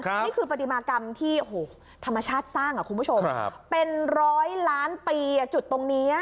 นี่คือปฏิมากรรมที่ธรรมชาติสร้างคุณผู้ชมเป็นร้อยล้านปีจุดตรงนี้